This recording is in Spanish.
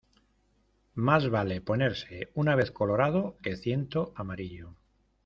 Más vale ponerse una vez colorado que ciento amarillo.